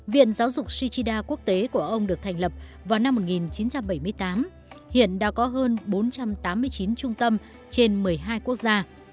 viện giáo dục shichida quốc tế của ông được thành lập vào năm một nghìn chín trăm bảy mươi tám hiện đã có hơn bốn trăm tám mươi chín trung tâm trên một mươi hai quốc gia